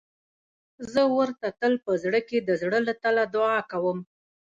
زه ورته تل په زړه کې د زړه له تله دعا کوم.